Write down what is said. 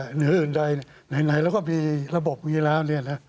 หรืออื่นใดไหนแล้วก็มีระบบแบบนี้แล้ว